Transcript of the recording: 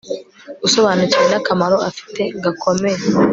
usobanukiwe nakamaro afite gakomeye